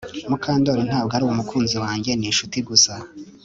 Mukandoli ntabwo ari umukunzi wanjye Ni inshuti gusa